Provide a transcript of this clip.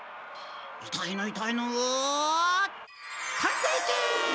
いたいのいたいのとんでいけ！